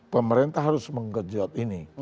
pemerintah harus mengejut ini